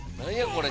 これ。